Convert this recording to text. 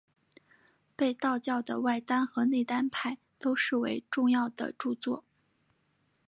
被道教的外丹和内丹派都视为重要的着作。